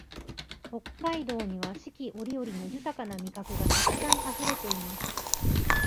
北海道には四季折々の豊な味覚がたくさんあふれています